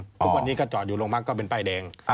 ทุกคนเนี่ยก็จอดอยู่โรงพยาบาลก็เป็นป้ายแดง